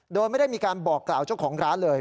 โดยไม่ได้มีการบอกกล่าวเจ้าของร้านเลย